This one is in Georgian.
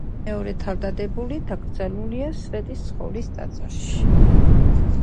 შოუზე ტექნოლოგიების მწარმოებელი სხვადასხვა დეველოპერი კომპანიები წარადგენენ თავიანთ პროდუქტებს.